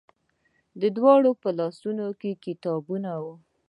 د دواړو په لاسونو کې کتابونه وو.